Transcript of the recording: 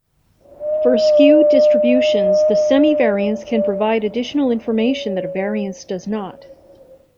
For skewed distributions, the semivariance can provide additional information that a variance does not.